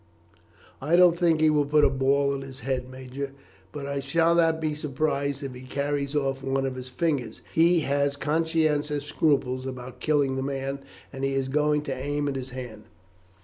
"I don't think he will put a ball in his head, major, but I shall not be surprised if he carries off one of his fingers. He has conscientious scruples about killing the man, and he is going to aim at his hand."